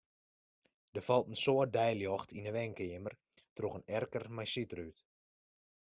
Der falt in soad deiljocht yn 'e wenkeamer troch in erker mei sydrút.